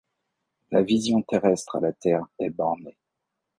La vision terrestre à la terre est bornée ;